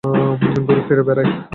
ঘুরে ফিরে বেড়ায়?